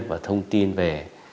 và thông tin về